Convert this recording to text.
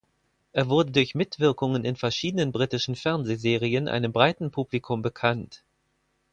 Er wurde durch Mitwirkungen in verschiedenen britischen Fernsehserien einem breiten Publikum bekannt.